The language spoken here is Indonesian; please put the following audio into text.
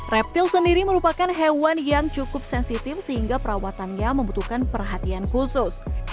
reptil sendiri merupakan hewan yang cukup sensitif sehingga perawatannya membutuhkan perhatian khusus